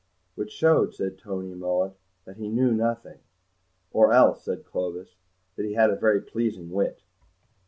"Which shows," said Toby Mullet, "that he knew nothing." "Or else," said Clovis, "that he has a very pleasing wit."